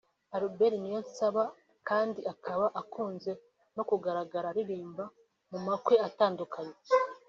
Albert Niyonsaba kandi akaba akunze no kugaragara aririmba mu makwe atandukanye